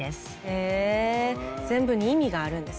へえ全部に意味があるんですね。